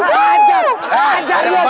ajar ajar dia sudah